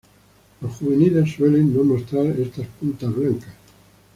Los juveniles suelen no mostrar estas puntas blancas.